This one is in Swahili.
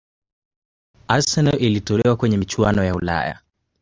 arsenal ilitolewa kwenye michuano ya ulaya